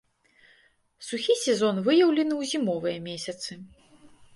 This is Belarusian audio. Сухі сезон выяўлены ў зімовыя месяцы.